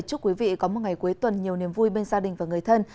chúc quý vị có một ngày cuối tuần nhiều niềm vui bên gia đình và người thân